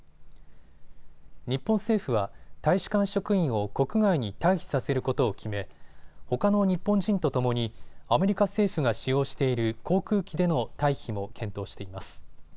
日本政府は大使館職員を国外に退避させることを決め、ほかの日本人とともにアメリカ政府が使用している航空機での退避も検討しています。